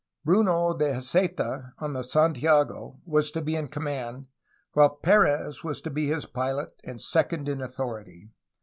Bruno de Heceta on the Santiago was to be in command, while Perez was to be his pilot and second in authority.